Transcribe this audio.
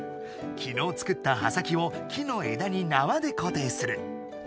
きのう作った刃先を木のえだになわでこていする。